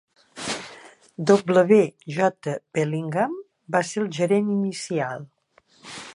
W. J. Bellingham va ser el gerent inicial.